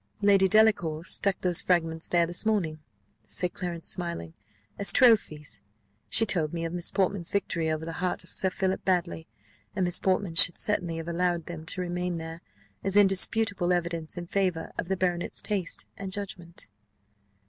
"Lady Delacour stuck those fragments there this morning," said Clarence smiling, "as trophies. She told me of Miss Portman's victory over the heart of Sir Philip Baddely; and Miss Portman should certainly have allowed them to remain there, as indisputable evidence in favour of the baronet's taste and judgment."